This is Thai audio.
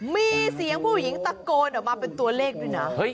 มีเสียงผู้หญิงตะโกนออกมาเป็นตัวเลขด้วยนะ